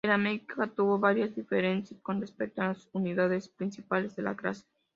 El America tuvo varias diferencias con respecto a las unidades principales de la clase.